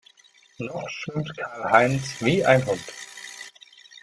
Noch schwimmt Karl-Heinz wie ein Hund.